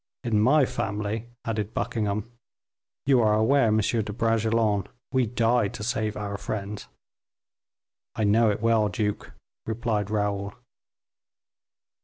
"In my family," added Buckingham, "you are aware, M. de Bragelonne, we die to save our friends." "I know it well, duke," replied Raoul.